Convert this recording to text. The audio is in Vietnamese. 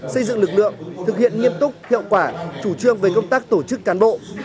xây dựng lực lượng thực hiện nghiêm túc hiệu quả chủ trương về công tác tổ chức cán bộ